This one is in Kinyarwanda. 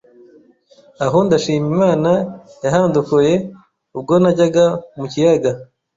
aho ndashima Imana yahandokoye ubwo najyaga mu kiyaga